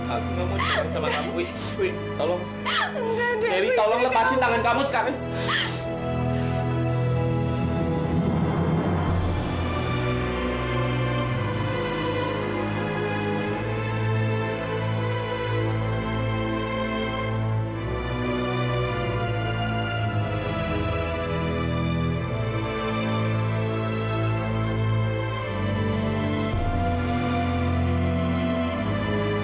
aku enggak akan lepaskan tangan kamu daryl